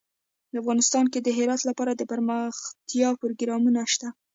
افغانستان کې د هرات لپاره دپرمختیا پروګرامونه شته.